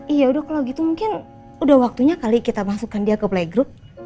iya udah kalau gitu mungkin udah waktunya kali kita masukkan dia ke play group